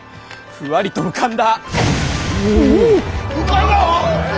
ふわりと浮かんだ。